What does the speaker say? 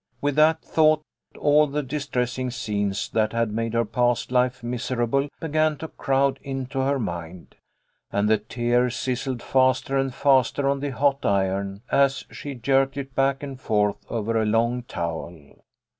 With that thought, all the distressing scenes that had made her past life miserable began to crowd into her mind, and the tears sizzled faster and faster on the hot iron, as she jerked it back and forth over a long towel.